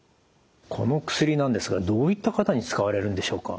この薬なんですがどういった方に使われるんでしょうか？